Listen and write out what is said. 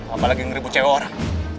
apalagi yang ribut cewek orang